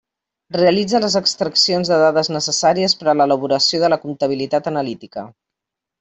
Realitza les extraccions de dades necessàries per a l'elaboració de la comptabilitat analítica.